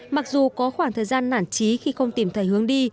mặc dù có khoảng thời gian nản trí khi không tìm thấy hướng đi